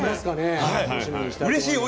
うれしい！